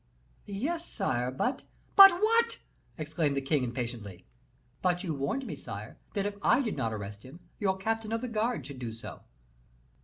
"Yes, sire, but " "But what?" exclaimed the king, impatiently. "But you warned me, sire, that if I did not arrest him, your captain of the guard should do so."